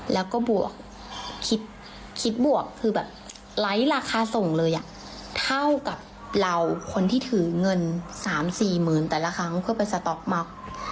แล้วก็บวกคิดบวกคือแบบไร้ราคาส่งเลยเท่ากับเราคนที่ถือเงิน๓๔๐๐๐แต่ละครั้งเพื่อไปสต๊อกม็อก